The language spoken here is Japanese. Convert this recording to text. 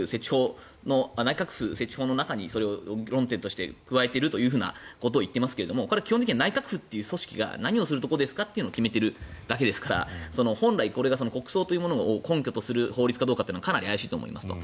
内閣府設置法の中にそれを論点として加えているということを言っていますがこれは基本的には内閣府という組織が何をする組織かということを決めているだけですから本来、これが国葬の根拠とする法律かどうかはかなり怪しいと思いますと。